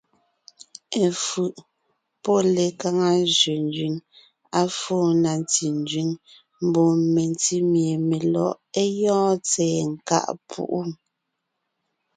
Efʉ̀ʼ pɔ́ lekaŋa zẅénzẅíŋ, à fó na ntí nzẅíŋ mbɔɔ mentí mie melɔ̌ʼ é gyɔ́ɔn tsɛ̀ɛ nkáʼ púʼu.